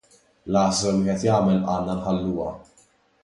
L-għażla li wieħed jagħmel għandna nħalluha.